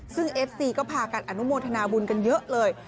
ซึ่งเอฟซีก็พากันอนุโมทนาบุญกันเยอะเลย